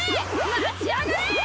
待ちやがれ！